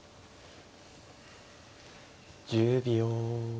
１０秒。